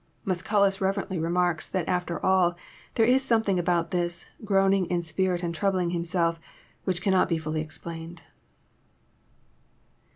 Musculus reverently remarks that after all there is something about this groaning in spirit and troubling Himself," which cannot be fliUy explained.